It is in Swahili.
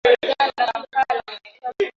Mifugo mingine inayoathirika na Brusela ni ngamia